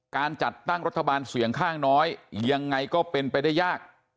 การจัดตั้งรัฐบาลเสียงข้างน้อยยังไงก็เป็นไปได้ยาก